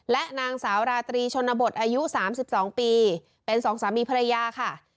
และนางสาวราตรีชนบทอายุ๓๒ปีเป็นสองสามีภรรยาค่ะ